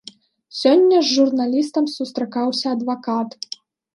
Сёння з журналістам сустракаўся адвакат.